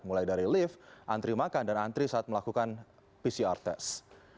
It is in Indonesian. mulai dari lift antri makan dan antri saat melakukan pcr test